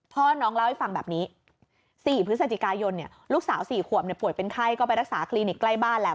น้องเล่าให้ฟังแบบนี้๔พฤศจิกายนลูกสาว๔ขวบป่วยเป็นไข้ก็ไปรักษาคลินิกใกล้บ้านแล้ว